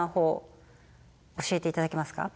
教えていただけますか？